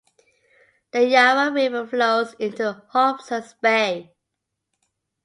The Yarra River flows into Hobsons Bay.